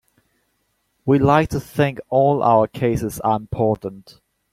We like to think all our cases are important.